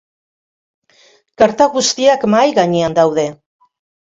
Karta guztiak mahai gainean daude.